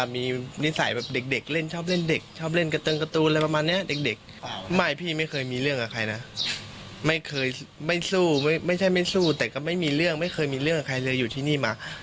ไม่เคยไม่สู้ไม่ใช่ไม่สู้แต่ก็ไม่มีเรื่องไม่เคยมีเรื่องกับใครเลยอยู่ที่นี่มา